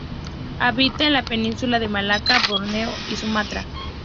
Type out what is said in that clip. Habita en la Península de Malaca, Borneo y Sumatra.